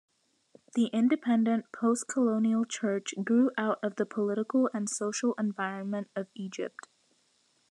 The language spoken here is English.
The independent, postcolonial church grew out of the political and social environment of Egypt.